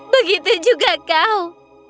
begitu juga kau